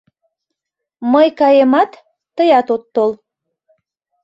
Мый каемат, тыят от тол.